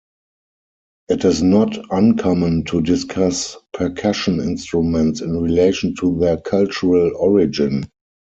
It is not uncommon to discuss percussion instruments in relation to their cultural origin.